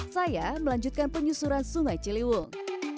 saya melanjutkan penyusuran sungai ciliwung